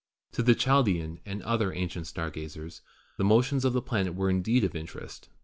To the Chaldean and to other ancient star gazers the mo tions of the planet were indeed of interest.